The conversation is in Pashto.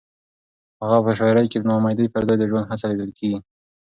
د هغه په شاعرۍ کې د ناامیدۍ پر ځای د ژوند هڅه لیدل کېږي.